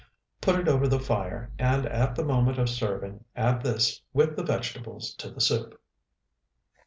Put it over the fire, and at the moment of serving add this with the vegetables to the soup.